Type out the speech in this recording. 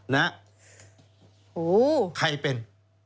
ใครเป็น